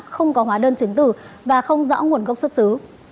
không có hóa đơn chứng tử và không rõ nguồn gốc xuất xứ